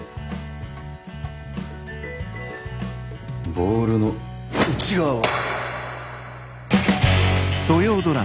ボールの内側を。